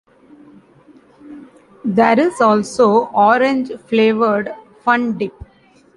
There is also orange flavored Fun Dip.